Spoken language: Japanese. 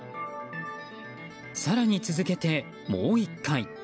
更に続けて、もう１回。